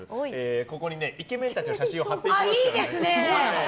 ここにイケメンたちの写真を貼っていきますから。